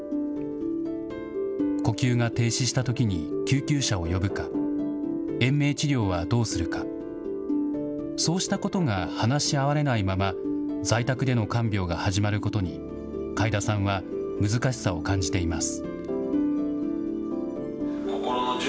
呼吸が停止したときに救急車を呼ぶか、延命治療はどうするか、そうしたことが話し合われないまま、在宅での看病が始まることに、開田さんは難しさを感じています。